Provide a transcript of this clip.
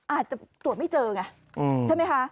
อาจจะตรวจไม่เจอไงใช่ไหมคะ